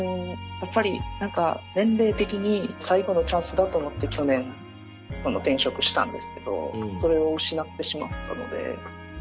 やっぱり年齢的に最後のチャンスだと思って去年この転職したんですけどそれを失ってしまったので。